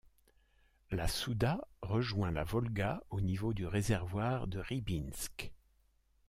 La Souda rejoint la Volga au niveau du réservoir de Rybinsk.